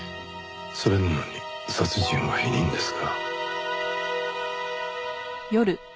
それなのに殺人は否認ですか。